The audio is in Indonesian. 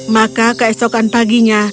maka keesokan paginya